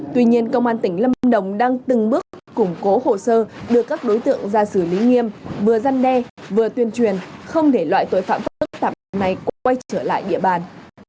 tuy nhiên công an tỉnh lâm đồng đang từng bước củng cố hồ sơ đưa các đối tượng ra xử lý nghiêm vừa gian đe vừa tuyên truyền không để loại tội phạm phức tạp này quay trở lại địa bàn